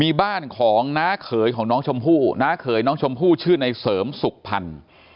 มีบ้านของน้าเขยของน้องชมพู่น้าเขยน้องชมพู่ชื่อในเสริมสุขพันธ์